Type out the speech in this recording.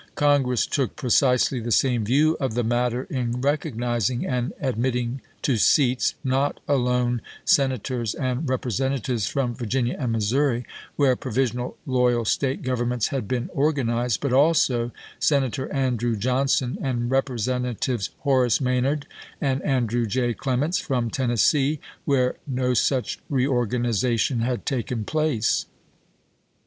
Congress took precisely the same view of the matter in recognizing and admitting to seats, not alone Senators and Rep resentatives from Virginia and Missouri, where provisional loyal State governments had been or ganized, but also Senator Andrew Johnson and Representatives Horace Maynard and Andrew J. Clements from Tennessee, where no such reorgani zation had taken place.